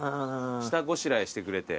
下ごしらえしてくれて。